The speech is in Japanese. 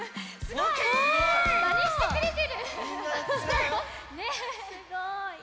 すごい。